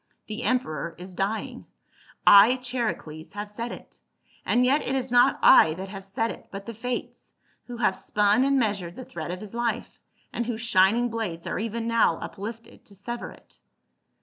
The emperor is dying. I, Charicles, have said it ; and yet it is not I that have said it, but the Fates, who have spun and measured the thread of his life, and whose shining blades are even now uplifted to sever it."